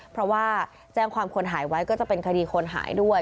เพราะว่าแจ้งความคนหายไว้ก็จะเป็นคดีคนหายด้วย